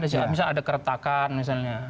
misalnya ada keretakan misalnya